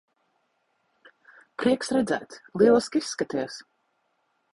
Prieks redzēt. Lieliski izskaties.